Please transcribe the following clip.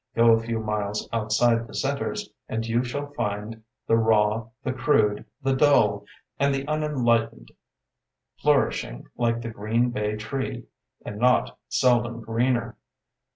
Go a few miles outside the centres, and you shall find the raw, the crude, the dull, and the unenlightened flourishing like the green bay tree — ^and not sel dom greener.